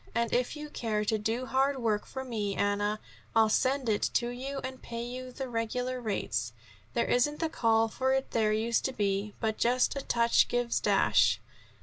And if you care to do hand work for me, Anna, I'll send it to you, and pay you the regular rates. There isn't the call for it there used to be, but just a touch gives dash."